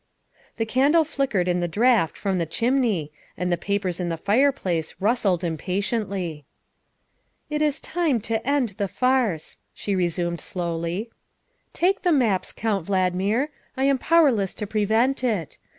'' The candle flickered in the draught from the chimney and the papers in the fireplace rustled impatiently. "It is time to end the farce," she resumed slowly. " Take the maps, Count Valdmir; I am powerless to prevent it.